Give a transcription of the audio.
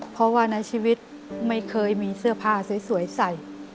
เพราะว่าในชีวิตไม่เคยมีเสื้อผ้าสวยใส่